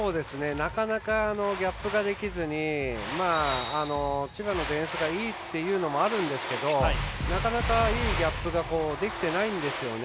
なかなかギャップができず千葉のディフェンスがいいというのもあるんですけどなかなか、いいギャップができていないんですよね。